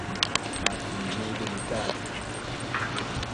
Pasimuling cak